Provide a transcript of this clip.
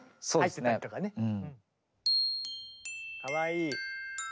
かわいい。